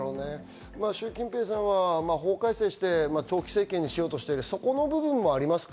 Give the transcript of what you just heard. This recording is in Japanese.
シュウ・キンペイさんは法改正して長期政権にしようとして、そこの部分もありますか？